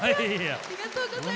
ありがとうございます。